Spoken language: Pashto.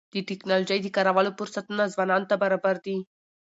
د ټکنالوژۍ د کارولو فرصتونه ځوانانو ته برابر دي.